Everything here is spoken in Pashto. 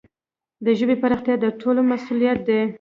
د ژبي پراختیا د ټولو مسؤلیت دی.